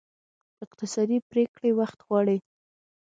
اقتصادي پرېکړې وخت غواړي.